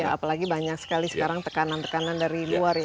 apalagi banyak sekali sekarang tekanan tekanan dari luar ya